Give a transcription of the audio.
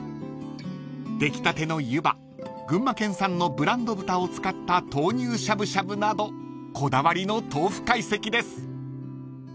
［出来たての湯葉群馬県産のブランド豚を使った豆乳しゃぶしゃぶなどこだわりの豆富懐石です］